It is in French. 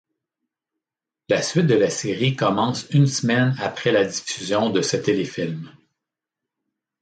La suite de la série commence une semaine après la diffusion de ce téléfilm.